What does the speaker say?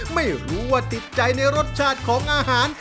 ไม่รู้ว่าติดใจในรสชาติของอาหาร